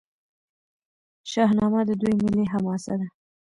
شاهنامه د دوی ملي حماسه ده.